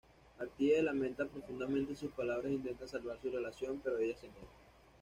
Artie lamenta profundamente sus palabras e intenta salvar su relación, pero ella se niega.